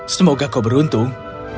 semoga kau beruntung